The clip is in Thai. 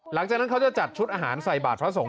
หลังจากนั้นเขาจะจัดชุดอาหารใส่บาทพระสงฆ